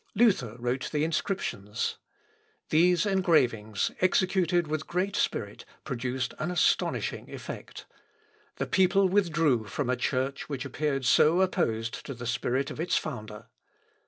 Luther wrote the inscriptions. These engravings, executed with great spirit, produced an astonishing effect. The people withdrew from a church which appeared so opposed to the spirit of its Founder.